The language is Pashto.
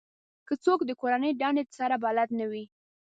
که څوک د کورنۍ دندې سره بلد نه وي